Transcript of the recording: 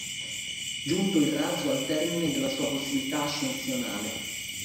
Giunto il razzo al termine della sua possibilità ascensionale.